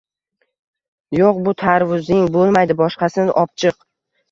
Yoʻq, bu tarvuzing boʻlmaydi, boshqasini opchiq